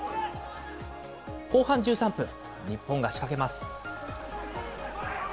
後半１３分、日本が仕掛けます。